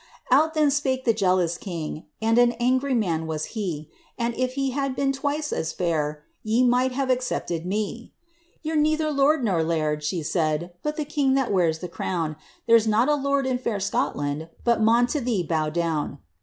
* Out then spake the jealous king, (And an angry man was he,) *An if he had b««n twice as (kir. Ye might have excepted me 1' ' Yon *re neither lord nor laird,* she said, *But the king that wears the crown; There's not a lord in fair Scotland But maun to ihoe bow down.'